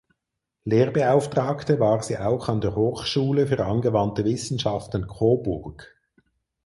Lehrbeauftragte war sie auch an der Hochschule für angewandte Wissenschaften Coburg.